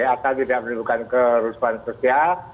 atau tidak menurut saya kerusuhan sosial